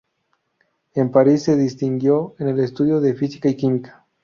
En París se distinguió en el estudio de Física y Química.